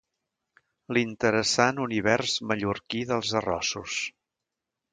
l'interessant univers mallorquí dels arrossos